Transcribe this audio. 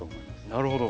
なるほど。